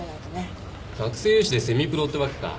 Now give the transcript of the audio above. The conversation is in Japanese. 学生有志でセミプロってわけか。